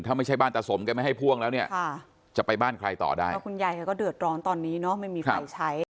ถ้าไม่ใช่บ้านตะสมกันไม่ให้พ่วงแล้วเนี่ย